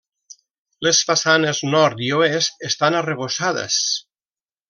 Les façanes Nord i Oest estan arrebossades.